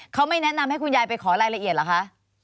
เขาไม่แนะนำให้คุณยายไปขอรายละเอียดเหรอคะ